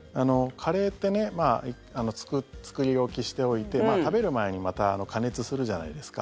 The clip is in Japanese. カレーってね作り置きしておいて食べる前にまた加熱するじゃないですか。